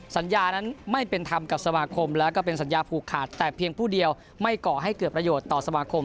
สัญญานั้นไม่เป็นธรรมกับสมาคมแล้วก็เป็นสัญญาผูกขาดแต่เพียงผู้เดียวไม่ก่อให้เกิดประโยชน์ต่อสมาคม